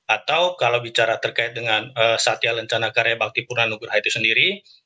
atau kalau bicara terkait dengan satya lencana karya bakti purna nugraha itu sendiri